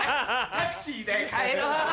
タクシーで帰ろう。